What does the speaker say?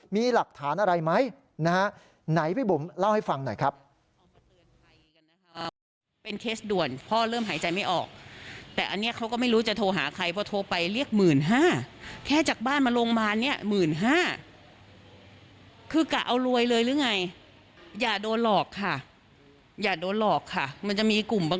มีหลักฐานอะไรไหมนะฮะไหนพี่บุ๋มเล่าให้ฟังหน่อยครับ